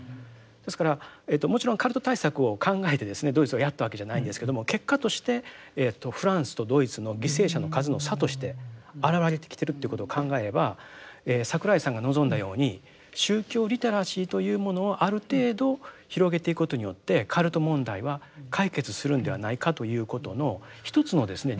ですからもちろんカルト対策を考えてですねドイツはやったわけじゃないんですけども結果としてフランスとドイツの犠牲者の数の差として表れてきてるということを考えれば櫻井さんが望んだように宗教リテラシーというものをある程度広げていくことによってカルト問題は解決するんではないかということの一つのですね